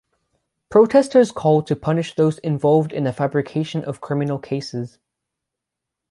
Protesters called to punish those involved in the fabrication of criminal cases.